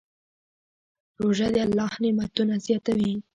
روژه د الله نعمتونه زیاتوي.